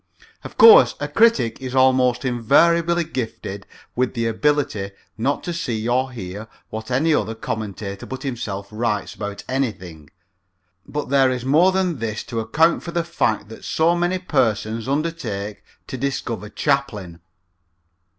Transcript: Of course, a critic is almost invariably gifted with the ability not to see or hear what any other commentator but himself writes about anything, but there is more than this to account for the fact that so many persons undertake to discover Chaplin.